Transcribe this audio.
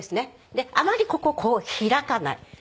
であまりこここう開かない。